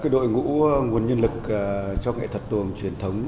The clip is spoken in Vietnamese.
đội ngũ nguồn nhân lực cho nghệ thuật tuồng truyền thống